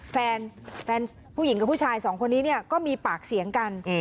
แฟนผู้หญิงกับผู้ชายสองคนนี้เนี่ยก็มีปากเสียงกัน